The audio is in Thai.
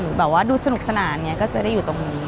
แบบว่าดูสนุกสนานไงก็จะได้อยู่ตรงนี้